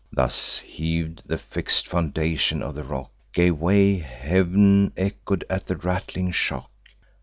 Thus heav'd, the fix'd foundations of the rock Gave way; heav'n echo'd at the rattling shock.